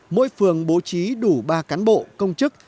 mỗi phường bố trí đủ ba cán bộ công chức